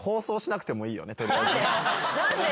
何で？